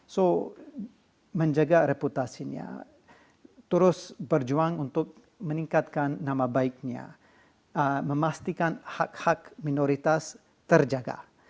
jadi menjaga reputasinya terus berjuang untuk meningkatkan nama baiknya memastikan hak hak minoritas terjaga